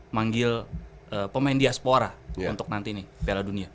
manggil pemain diaspora untuk nanti nih piala dunia